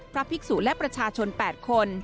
ภิกษุและประชาชน๘คน